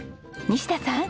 西田さん